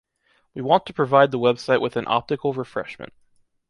We want to provide the website with an optical refreshment.